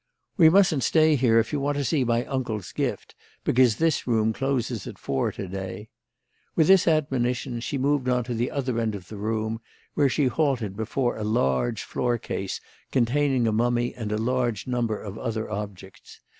"We mustn't stay here if you want to see my uncle's gift, because this room closes at four to day." With this admonition she moved on to the other end of the room, where she halted before a large floor case containing a mummy and a large number of other objects.